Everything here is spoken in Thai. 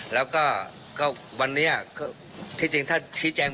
แล้วก็วันนี้ถือจริงท่านชี้แจง